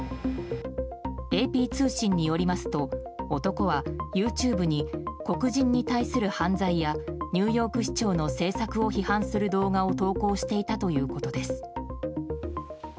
ＡＰ通信によりますと男はＹｏｕＴｕｂｅに黒人に対する犯罪やニューヨーク市長の政策を批判する動画を投稿していたということです。